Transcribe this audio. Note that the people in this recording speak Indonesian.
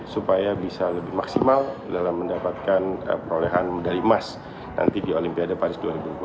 supaya bisa lebih maksimal dalam mendapatkan perolehan medali emas nanti di olimpiade paris dua ribu dua puluh